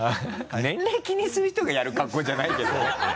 年齢気にする人がやる格好じゃないけどね。